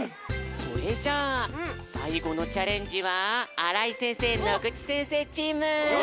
それじゃあさいごのチャレンジは荒居先生野口先生チーム！